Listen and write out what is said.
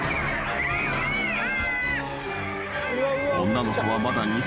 ［女の子はまだ］